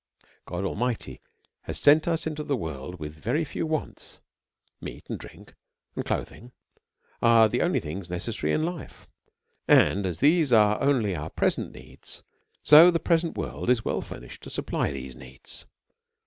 God Ahiiig hty has sent us into the world with very few wants ; meat, and drink, and clothing, are the only things necessary in life ; and as these are only our , present needs, so the present world is well furnished to supply these needs.